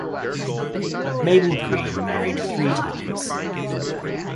Mabel Green married three times.